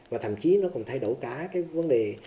và thậm chí nó còn thay đổi cả cái vấn đề